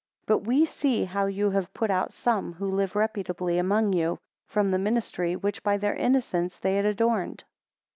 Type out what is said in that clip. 21 But we see how you have put out some, who lived reputably among you, from the ministry, which by their innocence they had adorned.